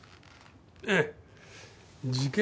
ええ事件